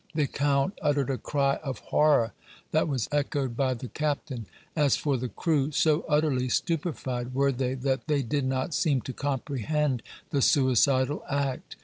The Count uttered a cry of horror that was echoed by the captain. As for the crew, so utterly stupefied were they that they did not seem to comprehend the suicidal act.